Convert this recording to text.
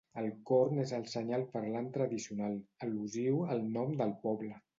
El corn és el senyal parlant tradicional, al·lusiu al nom del poble.